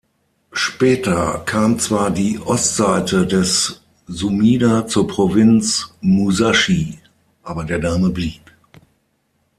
Später kam zwar die Ostseite des Sumida zur Provinz Musashi, aber der Name blieb.